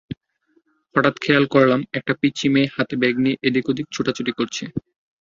হঠাৎ খেয়াল করলাম একটা পিচ্চি মেয়ে হাতে ব্যাগ নিয়ে এদিক-ওদিক ছোটাছুটি করছে।